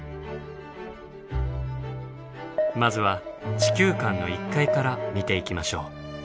まずは地球館の１階から見ていきましょう。